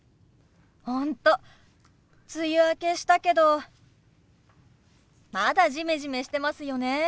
本当梅雨明けしたけどまだジメジメしてますよね。